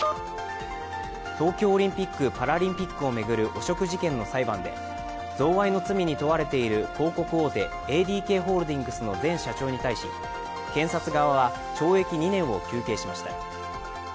東京オリンピック・パラリンピックを巡る汚職事件の裁判で贈賄の罪に問われている広告大手ＡＤＫホールディングスの前社長に対し、検察側は懲役２年を求刑しました。